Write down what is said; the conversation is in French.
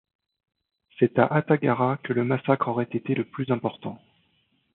C'est à Attagara que le massacre aurait été le plus important.